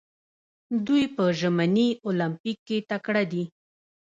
دوی په ژمني المپیک کې تکړه دي.